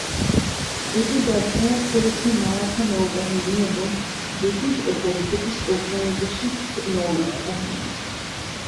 এটি ব্যবহার করেছে মারাঠা নৌবাহিনী এবং ব্রিটিশ ও পর্তুগিজ উপনিবেশিক নৌবাহিনী।